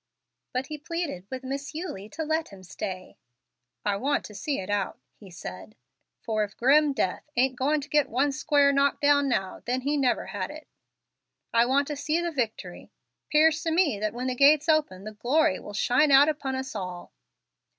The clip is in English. But he pleaded with Miss Eulie to let him stay. "I want to see it out," he said, "for if grim Death ain't goin' to get one square knock down now, then he never had it, I want to see the victory. 'Pears to me that when the gates open the glory will shine out upon us all."